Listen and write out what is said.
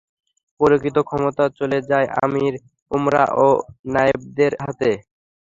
প্রকৃত ক্ষমতা চলে যায় আমীর-উমারা ও নায়েবদের হাতে।